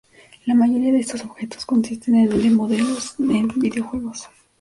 La mayoría de estos objetos consisten de modelos de videojuegos.